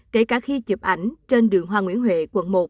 kể cả khi chụp ảnh trên đường hoa nguyễn huệ quận một